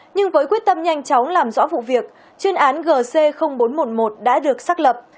nhưng với quyết tâm nhanh chóng làm rõ vụ việc chuyên án gc bốn trăm một mươi một đã được xác lập